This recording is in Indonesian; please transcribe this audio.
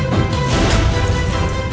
pintar mereka sekarang